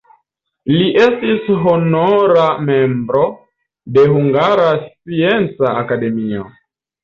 Li estis honora membro de Hungara Scienca Akademio.